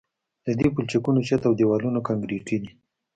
د دې پلچکونو چت او دیوالونه کانکریټي دي